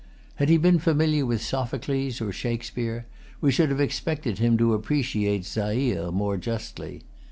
Had he been familiar with Sophocles or Shakespeare, we should have expected him to appreciate Zaire more justly.